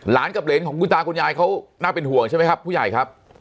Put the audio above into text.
กับเหรนของคุณตาคุณยายเขาน่าเป็นห่วงใช่ไหมครับผู้ใหญ่ครับ